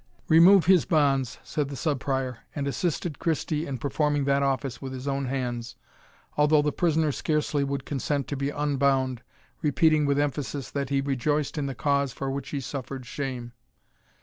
"Remove his bonds," said the Sub Prior, and assisted Christie in performing that office with his own hands, although the prisoner scarcely would consent to be unbound, repeating with emphasis, that he rejoiced in the cause for which he suffered shame.